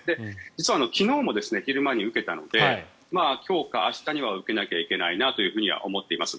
実は昨日も昼間に受けたので今日か明日には受けなければいけないなとは思っています。